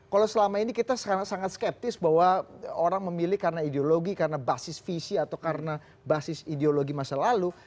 kalau selama ini kita sangat skeptis bahwa orang memilih karena ideologi karena basis visi atau karena basis ideologi masa lalu